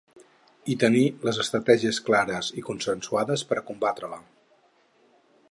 I tenir les estratègies clares i consensuades per a combatre-la.